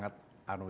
baik mbak disi